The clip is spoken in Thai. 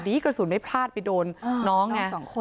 ดีกว่าศูนย์ไม่พลาดไปโดนน้อง